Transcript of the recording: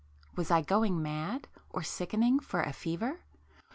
Was I going mad, or sickening for a fever?